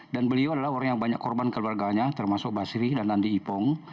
dan beliau adalah orang yang banyak korban keluarganya termasuk basri dan nandi ipong